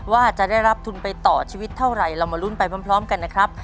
ว่าจะได้รับทุนไปต่อชีวิตเท่าไหร่เรามาลุ้นไปพร้อมกันนะครับ